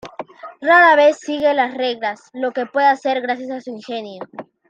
Rara vez sigue las reglas, lo que puede hacer gracias a su ingenio.